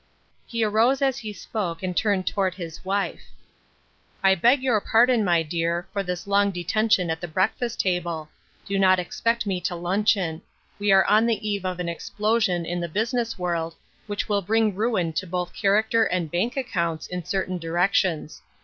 He arose as he spoke, and turned toward his wife. " I beg your pardon, my dear, for this long detention at the breakfast table ; do not expect me to luncheon ; we are on the eve of an explosion in the business world, which will bring ruin to both character and bank accounts in certain directions.